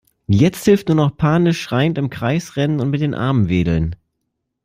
Jetzt hilft nur noch panisch schreiend im Kreis rennen und mit den Armen wedeln.